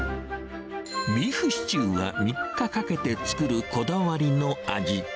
ビーフシチューは３日かけて作るこだわりの味。